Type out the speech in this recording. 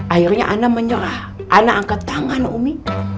akhirnya ana menyerah ana angkat tangan umi